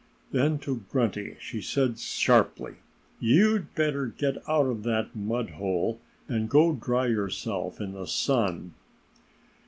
Then to Grunty she said sharply, "You'd better get out of that mudhole and go dry yourself in the sun."